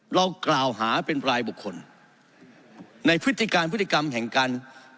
เรากล่าวหาเป็นรายบุคคลในพฤติการพฤติกรรมแห่งการ